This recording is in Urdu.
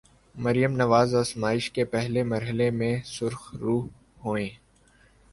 مریم نواز آزمائش کے پہلے مرحلے میں سرخرو ہوئیں۔